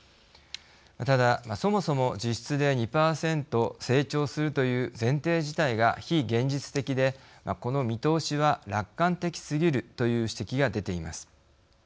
ただ、そもそも実質で２％成長するという前提自体が非現実的でこの見通しは楽観的すぎるという指摘が出ています。